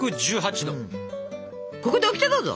ここでオキテどうぞ。